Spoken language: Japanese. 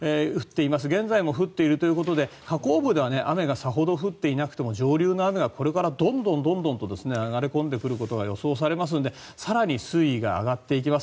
現在も降っているということで河口部では雨がさほど降っていなくても上流の雨はこれからどんどんと流れ込んでくることが予想されますので更に水位が上がっていきます。